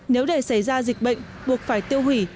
nếu để xảy ra dịch bệnh buộc phải tiêu hủy